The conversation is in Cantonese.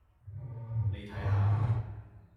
你睇吓